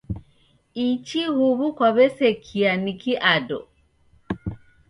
Ichi huw'u kwaw'esekia niki ado.